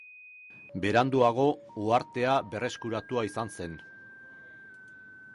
Beranduago, uhartea berreskuratua izan zen.